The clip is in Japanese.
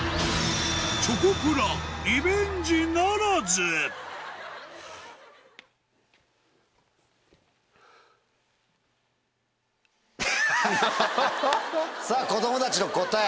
チョコプラリベンジならずさぁ子供たちの答え。